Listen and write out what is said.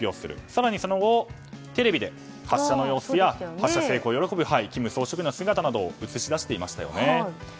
更にその後、テレビで発射の様子や発射成功を喜ぶ金総書記の姿などを映していましたよね。